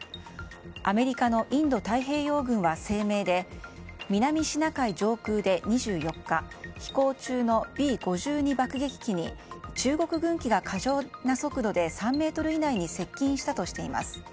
アメリカのインド太平洋軍は声明で南シナ海上空で２４日飛行中のＢ５２爆撃機に中国軍機が過剰な速度で３ｍ以内に接近したとしています。